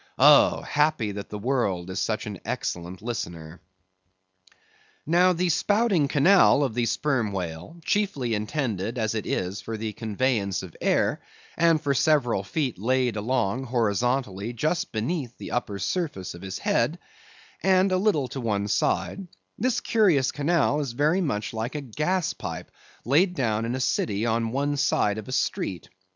Oh! happy that the world is such an excellent listener! Now, the spouting canal of the Sperm Whale, chiefly intended as it is for the conveyance of air, and for several feet laid along, horizontally, just beneath the upper surface of his head, and a little to one side; this curious canal is very much like a gas pipe laid down in a city on one side of a street.